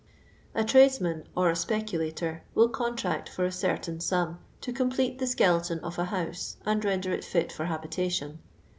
A tradesman, or a speculator, will contract, for a certain sum, to complete the skeleton of a house, and render it fit for habitation.